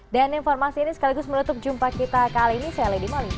dan informasi ini sekaligus menutup jumpa kita kali ini saya lady moli